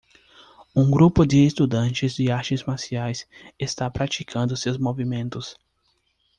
Um grupo de estudantes de artes marciais está praticando seus movimentos.